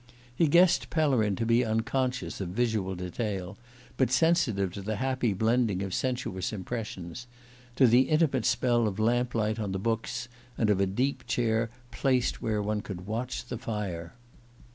He guessed Pellerin to be unconscious of visual detail, but sensitive to the happy blending of sensuous impressions: to the intimate spell of lamplight on books, and of a deep chair placed where one could watch the fire.